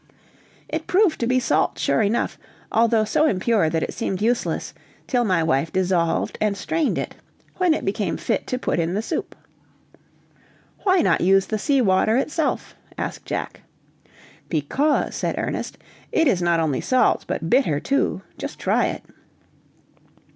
It proved to be salt sure enough, although so impure that it seemed useless, till my wife dissolved and strained it, when it became fit to put in the soup. "Why not use the sea water itself?" asked Jack. "Because," said Ernest, "it is not only salt, but bitter too. Just try it."